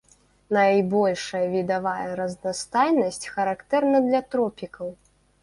Найбольшая відавая разнастайнасць характэрна для тропікаў.